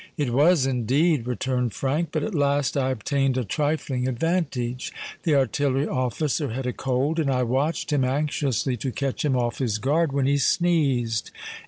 "It was indeed," returned Frank. "But at last I obtained a trifling advantage. The artillery officer had a cold; and I watched him anxiously to catch him off his guard when he sneezed.